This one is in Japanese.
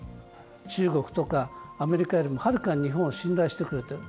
中国とかアメリカよりも、はるかに日本を信頼してくれている。